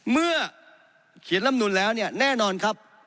เมื่อเขียนลำนุนแล้วเนี่ยแน่นอนครับ